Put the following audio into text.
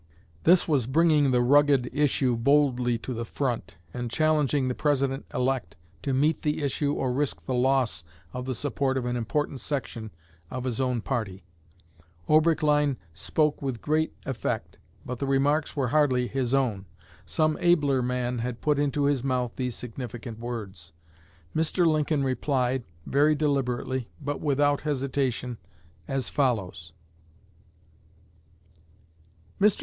"This was bringing the rugged issue boldly to the front, and challenging the President elect to meet the issue or risk the loss of the support of an important section of his own party. Oberkleine spoke with great effect, but the remarks were hardly his own. Some abler man had put into his mouth these significant words. Mr. Lincoln replied, very deliberately, but without hesitation, as follows: MR.